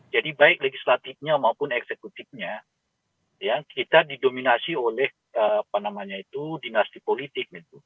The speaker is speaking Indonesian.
jadi baik legislatifnya maupun eksekutifnya ya kita didominasi oleh dinasti politik